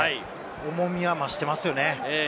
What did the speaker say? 重みは増していますよね。